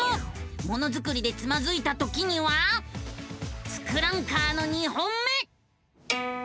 ものづくりでつまずいたときには「ツクランカー」の２本目！